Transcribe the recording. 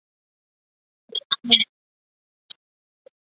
瓶形上三脊节蜱为节蜱科上三脊节蜱属下的一个种。